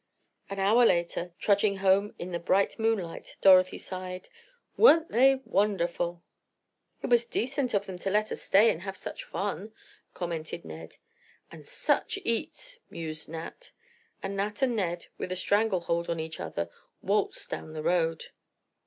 An hour later, trudging home in the bright moonlight, Dorothy sighed: "Weren't they wonderful!" "It was decent of them to let us stay and have such fun," commented Ned. "And such eats!" mused Nat. And Nat and Ned, with a strangle hold on each other, waltzed down the road.